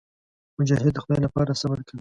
مجاهد د خدای لپاره صبر کوي.